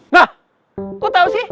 wah kok tau sih